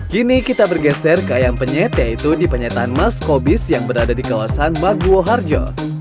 kini kita bergeser ke ayam penyet yaitu di penyetan mas kobis yang berada di kawasan baguoharjo